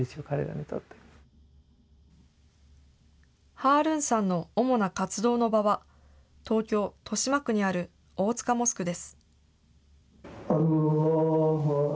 ハールーンさんの主な活動の場は、東京・豊島区にある、大塚モスクです。